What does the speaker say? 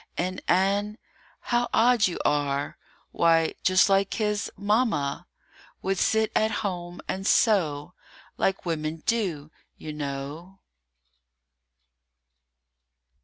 And Ann? How odd you are! Why, just like his Mamma, Would sit at home and sew, Like women do, you know.